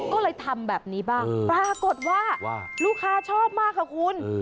ก็เลยทำแบบนี้บ้างปรากฏว่าลูกค้าชอบมากค่ะคุณ